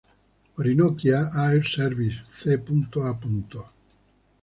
Orinoquia Air Services c.a.